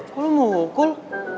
kok lu mau ngukul